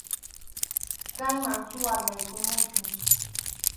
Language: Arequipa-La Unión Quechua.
Kayman suwa yaykumunchu.